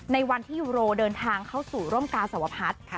ในวันที่ยูโรเดินทางเข้าสู่ร่มกาสวพัฒน์